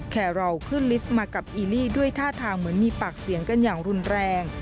แครอลขึ้นลิฟต์มากับอีลี่ด้วยท่าทางเหมือนมีปากเสียงกันอย่างรุนแรง